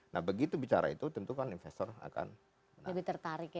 nah begitu bicara itu tentu kan investor akan lebih tertarik ya